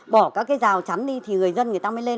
bỏ các cái rào chắn đi thì người dân người ta mới lên